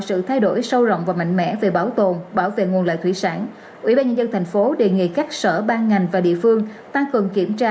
ủy ban nhân dân thành phố đề nghị các sở ban ngành và địa phương tăng cường kiểm tra